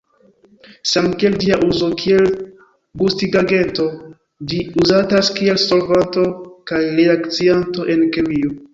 Samkiel ĝia uzo kiel gustigagento, ĝi uzatas kiel solvanto kaj reakcianto en kemio.